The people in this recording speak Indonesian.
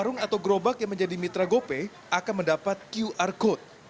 warung atau gerobak yang menjadi mitra gopay akan mendapat qr code